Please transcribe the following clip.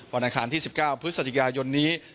วันอาคารที่๑๙พฤษฎิกายนนี้